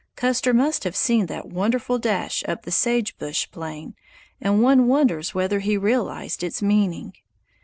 Custer must have seen that wonderful dash up the sage bush plain, and one wonders whether he realized its meaning.